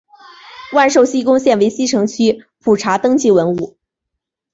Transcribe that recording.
万寿西宫现为西城区普查登记文物。